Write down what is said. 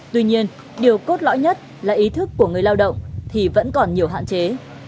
tuy nhiên điều cốt lõi nhất là ý thức của người lao động thì vẫn còn nhiều hạn chế